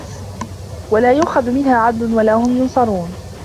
وَلَا يُؤْخَذُ مِنْهَا عَدْلٌ وَلَا هُمْ يُنْصَرُونَ